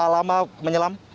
berapa lama menyelam